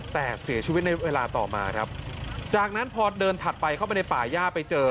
แต่เสียชีวิตในเวลาต่อมาครับจากนั้นพอเดินถัดไปเข้าไปในป่าย่าไปเจอ